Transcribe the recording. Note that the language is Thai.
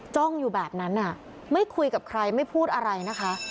จ้องอยู่แบบนั้นไม่คุยกับใครไม่พูดอะไรนะคะ